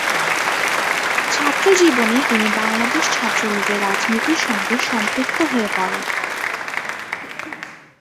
ছাত্র জীবনেই তিনি বাংলাদেশ ছাত্রলীগের রাজনীতির সঙ্গে সম্পৃক্ত হয়ে পড়েন।